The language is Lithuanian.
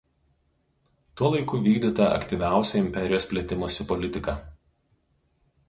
Tuo laiku vykdyta aktyviausia imperijos plėtimosi politika.